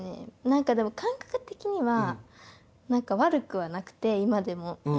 なんかでも感覚的には悪くはなくて、今でも。